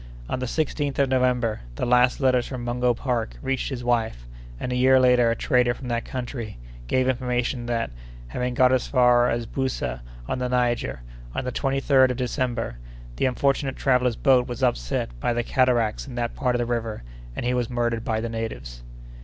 On the 16th of November, the last letters from Mungo Park reached his wife; and, a year later a trader from that country gave information that, having got as far as Boussa, on the Niger, on the 23d of December, the unfortunate traveller's boat was upset by the cataracts in that part of the river, and he was murdered by the natives."